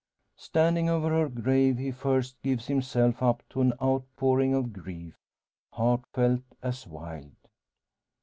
Standing over her grave he first gives himself up to an outpouring of grief, heartfelt as wild.